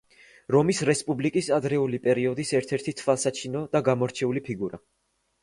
რომის რესპუბლიკის ადრეული პერიოდის ერთ-ერთი თვალსაჩინო და გამორჩეული ფიგურა.